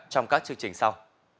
trong các chương trình sau